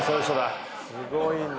すごいな。